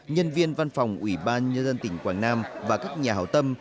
nhân viên văn phòng ủy ban nhân dân tỉnh quảng nam và các nhà hảo tâm